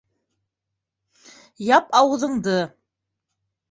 Яп ауыҙыңды.